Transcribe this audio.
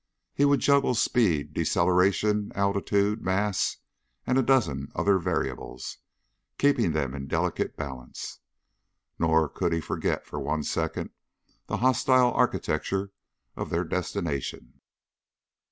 He would juggle speed, deceleration, altitude, mass and a dozen other variables, keeping them in delicate balance. Nor could he forget for one second the hostile architecture of their destination.